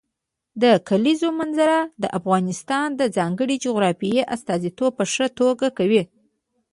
د کلیزو منظره د افغانستان د ځانګړي جغرافیې استازیتوب په ښه توګه کوي.